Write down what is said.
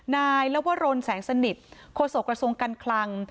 นายเลวรณแสงสนิทโคศกระทรวงกันคลัง